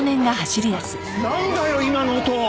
なんだよ今の音！？